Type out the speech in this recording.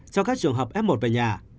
cho các trường hợp f một về nhà